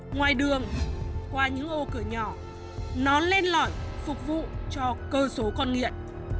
ngoài đường qua những ô cửa nhỏ nó lên lỏi phục vụ cho cơ số con nghiện